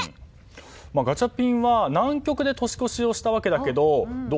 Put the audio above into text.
ガチャピンは南極で年越しをしたわけだけどどう？